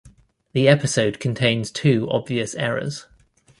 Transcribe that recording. The episode contains two obvious errors.